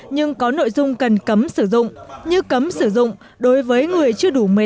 nhưng có nội dung cần cấm sử dụng như cấm sử dụng đối với người chưa đủ một mươi năm